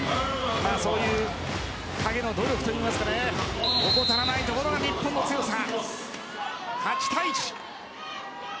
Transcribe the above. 影の努力といいますか怠らないところが日本の強さ。